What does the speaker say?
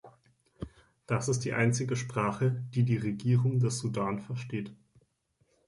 Das ist die einzige Sprache, die die Regierung des Sudan versteht.